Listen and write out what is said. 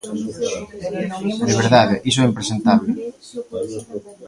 De verdade, iso é impresentable.